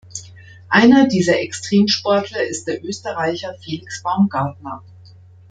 Einer dieser Extremsportler ist der Österreicher Felix Baumgartner.